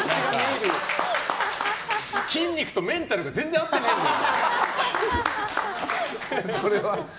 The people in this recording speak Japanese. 筋肉とメンタルが全然合ってないんだよ！